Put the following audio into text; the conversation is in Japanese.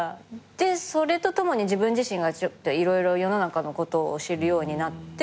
でそれとともに自分自身がちょっと色々世の中のことを知るようになって。